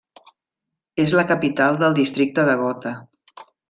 És la capital del districte de Gotha.